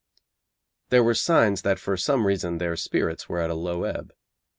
There were signs that for some reason their spirits were at a low ebb.